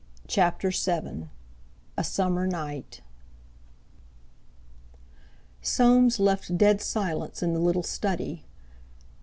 CHAPTER VII A SUMMER NIGHT Soames left dead silence in the little study.